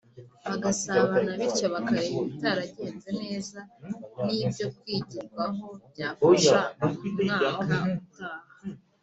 bagasabana bityo bakareba ibitaregenze neza n’ibyo kwigirwaho byafasha mu mwaka utaha